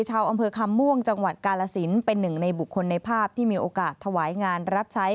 ชาวอำเภอคำม่วงจังหวัดกาลสินเป็นหนึ่งในบุคคลในภาพที่มีโอกาสถวายงานรับใช้